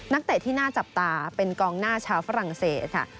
เตะที่น่าจับตาเป็นกองหน้าชาวฝรั่งเศสค่ะ